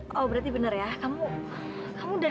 kamu udah datang sialls dr paulin cukup